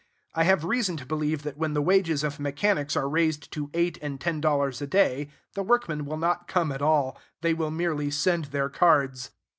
I have reason to believe that when the wages of mechanics are raised to eight and ten dollars a day, the workmen will not come at all: they will merely send their cards.